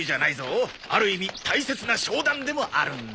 ある意味大切な商談でもあるんだ。